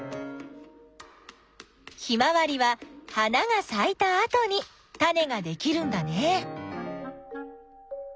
ヒマワリは花がさいたあとにタネができるんだね。